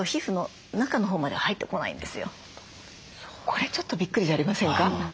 これちょっとびっくりじゃありませんか。